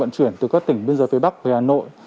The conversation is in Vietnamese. vận chuyển từ các tỉnh biên giới phía bắc về hà nội